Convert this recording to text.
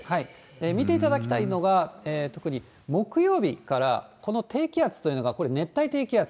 見ていただきたいのが、特に木曜日から、この低気圧というのが、これ、熱帯低気圧。